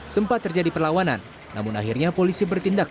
sempat terjadi perlawanan namun akhirnya polisi bertindak